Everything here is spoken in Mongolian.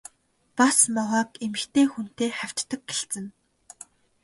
Бас могойг эмэгтэй хүнтэй хавьтдаг гэлцэнэ.